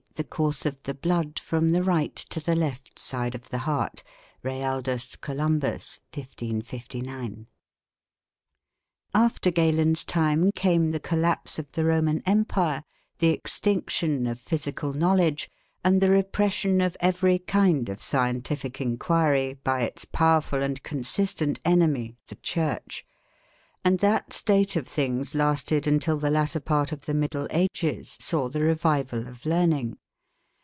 The course of the blood from the right to the left side of the heart (Realdus Columbus, 1559). After Galen's time came the collapse of the Roman Empire, the extinction of physical knowledge, and the repression of every kind of scientific inquiry, by its powerful and consistent enemy, the Church; and that state of things lasted until the latter part of the Middle Ages saw the revival of learning.